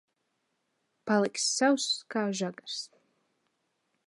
Paliksi sauss kā žagars.